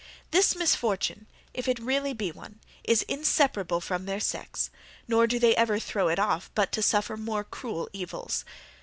This misfortune, if it really be one, is inseparable from their sex; nor do they ever throw it off but to suffer more cruel evils.